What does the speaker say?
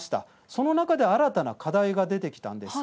その中で新たな課題が出てきたんです。